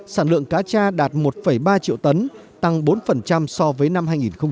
sản lượng cá cha đạt một ba triệu tấn tăng bốn so với năm hai nghìn một mươi bảy